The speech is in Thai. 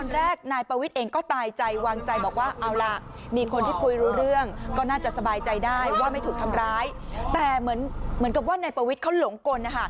ร้ายแต่เหมือนกับว่านายปวิทย์เขาหลงกล